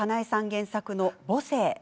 原作の「母性」。